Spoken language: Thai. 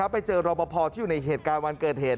ไปเจอรอปภที่อยู่ในเหตุการณ์วันเกิดเหตุ